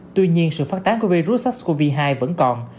tuy nhiên sự phát tán của virus sars cov hai vẫn còn